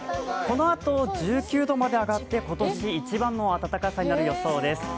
このあと１９度まで上がって、今年一番の暖かさになる予想です。